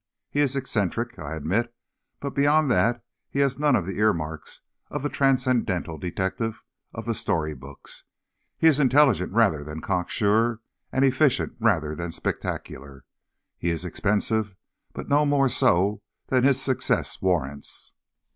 He is eccentric, I admit, but beyond that he has none of the earmarks of the Transcendental Detective of the story books. He is intelligent rather than cocksure and efficient rather than spectacular. He is expensive, but no more so than his success warrants."